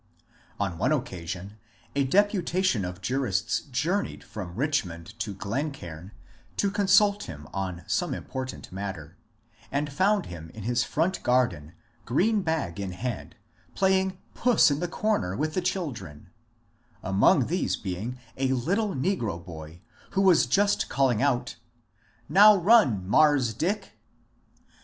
On one occasion a deputation of jurists journeyed from fiichmond to Glencaim to consult him on some important matter, and found him in his front garden, green bag in hand, playing puss in the comer with the children — among these being a little negro boy, who was just calling out, ^^ Now run. Mars' Dick"!